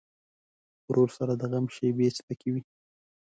ورور سره د غم شیبې سپکې وي.